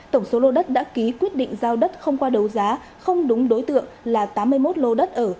tổng số lô đất đã ký quyết định giao đất không qua đấu giá không đúng đối tượng là tám mươi một lô đất ở